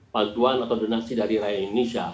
paduan atau donasi dari rakyat indonesia